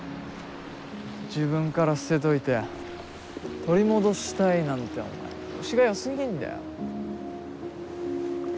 自分から捨てといて取り戻したいなんてお前虫がよすぎんだよ。